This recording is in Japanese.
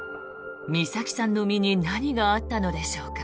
美咲さんの身に何があったのでしょうか。